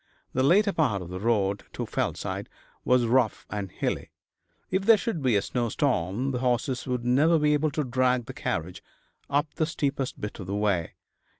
The latter part of the road to Fellside was rough and hilly. If there should be a snowstorm the horses would never be able to drag the carriage up the steepest bit of the way.